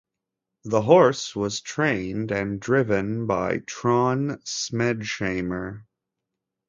The horse was trained and driven by Trond Smedshammer.